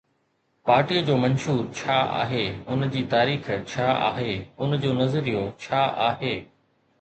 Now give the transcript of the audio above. پارٽيءَ جو منشور ڇا آهي، ان جي تاريخ ڇا آهي، ان جو نظريو ڇا آهي؟